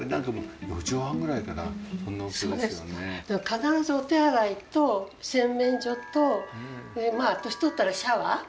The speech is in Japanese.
必ずお手洗いと洗面所と年取ったらシャワー。